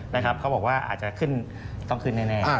เขาบอกว่าอาจจะขึ้นต้องขึ้นแน่